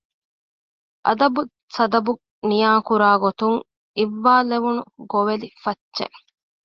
އަދަބުސަދަބު ނިޔާކުރާގޮތުން އިއްވާލެވުނު ގޮވެލިފައްޗެއް